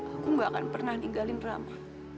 aku gak akan pernah ninggalin rama